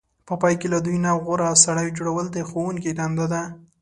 په پای کې له دوی نه غوره سړی جوړول د ښوونکو دنده ده.